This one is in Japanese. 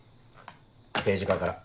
刑事課から。